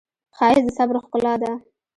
ښایست د صبر ښکلا ده